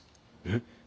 えっ？